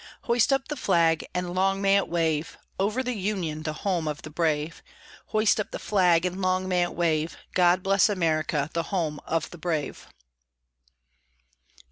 Hoist up the flag, and long may it wave Over the Union, the home of the brave! Hoist up the flag, and long may it wave, God bless America, the home of the brave!